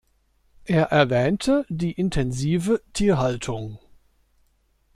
Er erwähnte die intensive Tierhaltung.